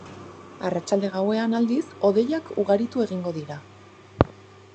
Arratsalde-gauean, aldiz, hodeiak ugaritu egingo dira.